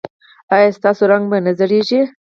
ایا ستاسو رنګ به نه زیړیږي؟